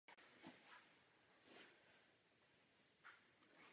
Byla také vybrána za členku Ruské akademie věd.